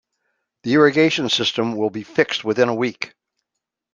The irrigation system will be fixed within a week.